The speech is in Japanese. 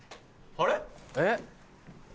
あれ。